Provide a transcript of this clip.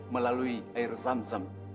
melalui air zam zam